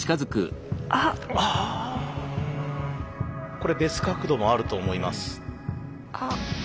これ別角度もあると思います。